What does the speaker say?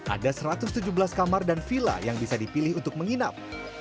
ada satu ratus tujuh belas kamar dan villa yang bisa dipilih untuk menginap